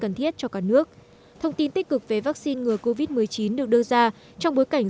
cần thiết cho cả nước thông tin tích cực về vaccine ngừa covid một mươi chín được đưa ra trong bối cảnh